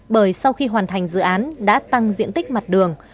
bởi sau khi hoàn thành dự án đã tăng diện tích mặt đường